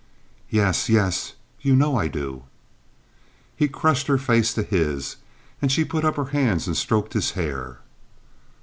"Yes! Yes! You know I do." He crushed her face to his, and she put up her hands and stroked his hair.